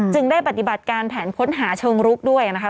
ได้ปฏิบัติการแผนค้นหาเชิงรุกด้วยนะคะ